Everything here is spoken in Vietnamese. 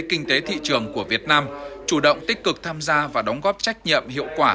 kinh tế thị trường của việt nam chủ động tích cực tham gia và đóng góp trách nhiệm hiệu quả